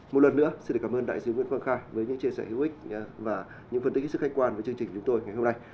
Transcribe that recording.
một lần nữa xin được cảm ơn đại sứ nguyễn quang khai với những chia sẻ hữu ích và những phân tích hết sức khách quan với chương trình chúng tôi ngày hôm nay